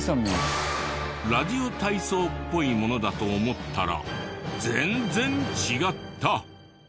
ラジオ体操っぽいものだと思ったら全然違った！